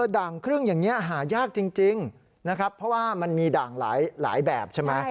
ด่างครึ่งอย่างนี้หายากจริงนะครับเพราะว่ามันมีด่างหลายแบบใช่ไหม